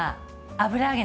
油揚げ！